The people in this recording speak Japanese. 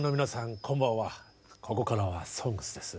こんばんはここからは「ＳＯＮＧＳ」です。